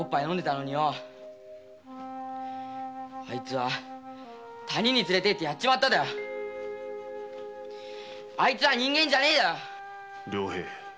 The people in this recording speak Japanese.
あいつは谷に連れてって殺っちまっただあいつは人間じゃねえだよ良平。